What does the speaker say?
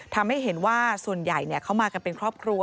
ทำให้เห็นว่าส่วนใหญ่เขามากันเป็นครอบครัว